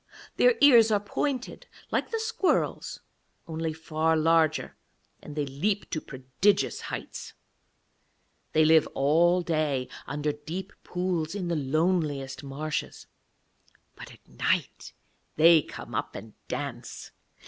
Their ears are pointed like the squirrel's, only far larger, and they leap to prodigious heights. They live all day under deep pools in the loneliest marshes, but at night they come up and dance.